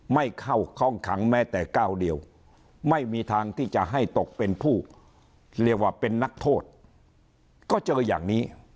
ไม่เข้าห้องขังแม้แต่ก้าวเดียวไม่มีทางที่จะให้ตกเป็นผู้เรียกว่าเป็นนักโทษก็เจออย่างนี้